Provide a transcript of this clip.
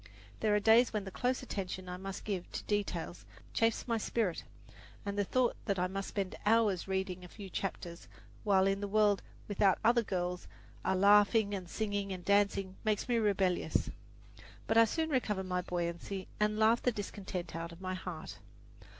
There are days when the close attention I must give to details chafes my spirit, and the thought that I must spend hours reading a few chapters, while in the world without other girls are laughing and singing and dancing, makes me rebellious; but I soon recover my buoyancy and laugh the discontent out of my heart.